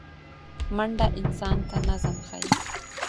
منډه انسان ته نظم ښيي